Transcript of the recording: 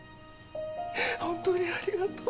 本当にありがとう。